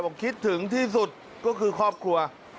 คิดถึงที่สุดก็คือครอบครัว